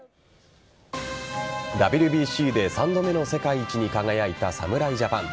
ＷＢＣで３度目の世界一に輝いた侍ジャパン。